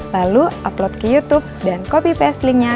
lalu upload ke youtube dan copy paste linknya